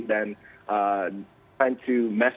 dan mencobanya dengan orang tua kita